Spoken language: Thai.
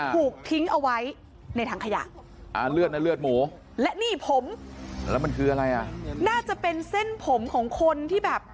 ถูกทิ้งเอาไว้ในถังขยะและนี่ผมน่าจะเป็นเส้นผมของคนที่แบบ